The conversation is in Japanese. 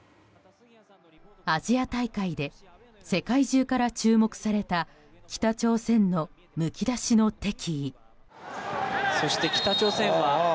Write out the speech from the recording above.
アジア大会で世界中から注目された北朝鮮のむき出しの敵意。